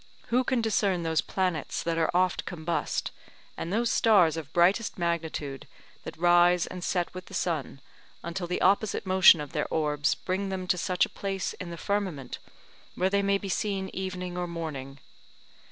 Who can discern those planets that are oft combust, and those stars of brightest magnitude that rise and set with the sun, until the opposite motion of their orbs bring them to such a place in the firmament, where they may be seen evening or morning?